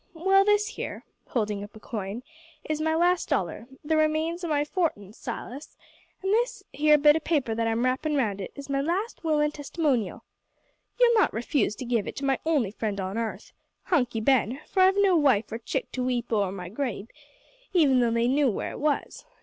Well, this here (holding up a coin) is my last dollar, the remains o' my fortin', Silas, an' this here bit o' paper that I'm rappin' round it, is my last will an' testimonial. You'll not refuse to give it to my only friend on arth, Hunky Ben, for I've no wife or chick to weep o'er my grave, even though they knew where it was.